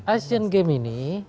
asian game ini